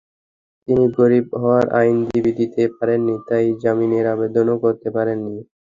তিনি গরিব হওয়ায় আইনজীবী দিতে পারেননি, তাই জামিনের আবেদনও করতে পারেননি।